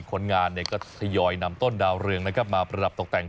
คนงานก็ทยอยนำต้นดาวเรืองนะครับมาประดับตกแต่ง